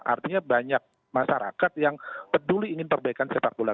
artinya banyak masyarakat yang peduli ingin perbaikan sepak bola